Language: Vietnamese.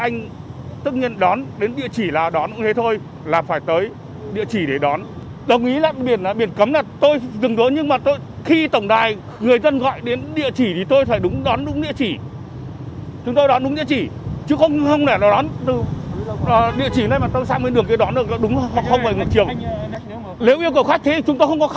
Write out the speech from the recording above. nếu yêu cầu khách thì chúng ta không có khách